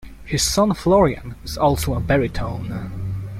His son Florian is also a baritone.